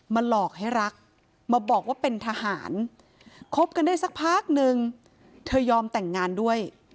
หลอกให้รักมาบอกว่าเป็นทหารคบกันได้สักพักนึงเธอยอมแต่งงานด้วย